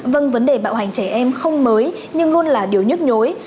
vâng vấn đề bạo hành trẻ em không mới nhưng luôn là điều nhức nhối